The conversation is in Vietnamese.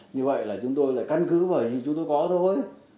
như vậy là chúng tôi là căn cứ vậy thì chúng tôi có thôi